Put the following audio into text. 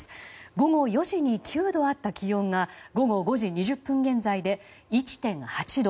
午後４時に９度あった気温が午後５時２０分現在で１．８度。